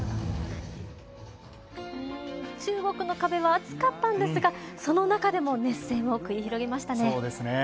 中国の壁は厚かったんですがその中でも熱戦を繰り広げましたね。